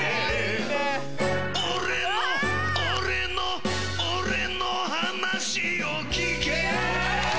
俺の俺の俺の話を聞け！